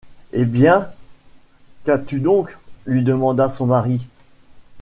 Eh! bien, qu’as-tu donc? lui demanda son mari.